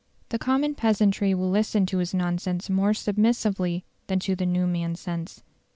The common peasantry will listen to his nonsense more submissively than to the new man's sense.